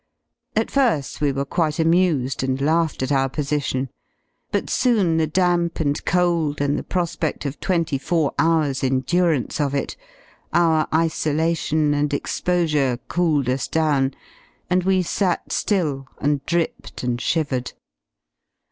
At fir^ we were quite amused and laughed at our \position, but soon the damp and cold and the prospedl of 7 twenty four hours' endurance of it, our isolation and exposure cooled us down, and we sat ^ill and dripped and shivered.